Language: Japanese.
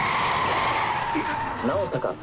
なをさか。